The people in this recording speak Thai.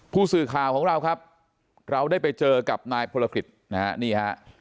ผู้สื่อข่าวของเราครับเราได้ไปเจอกับนายพลกฤษนะฮะนี่ฮะ